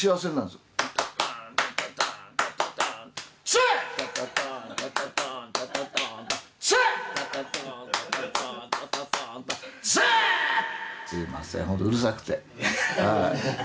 すみません、本当、うるさくて。